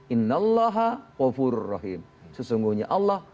inna allaha wafurur rahim sesungguhnya allah